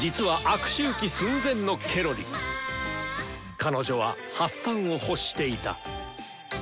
彼女は発散を欲していた。